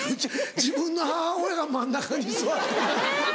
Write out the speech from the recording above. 自分の母親が真ん中に座ってるのに。